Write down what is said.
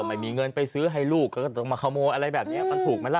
ไม่มีเงินไปซื้อให้ลูกก็ต้องมาขโมยอะไรแบบนี้มันถูกไหมล่ะ